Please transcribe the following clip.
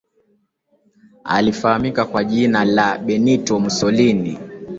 alifahamika kwa jina la Benito Musolini